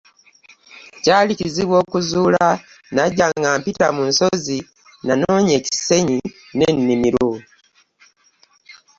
Kyali kizibu okuzuula, nnajja nga mpita mu nsozi; nnanoonya ensenyi n'ennimiro!